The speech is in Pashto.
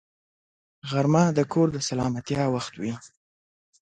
غرمه د کور د سلامتیا وخت وي